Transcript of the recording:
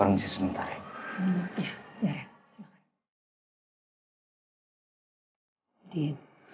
saya kami bisa sementara ya